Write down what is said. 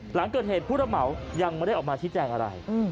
หลังเกิดเหตุผู้ระเหมายังไม่ได้ออกมาชี้แจงอะไร